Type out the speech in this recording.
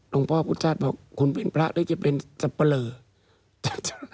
ลงพ่อพุทธชาติบอกคุณเป็นพระหรือจะเป็นสับเปล่า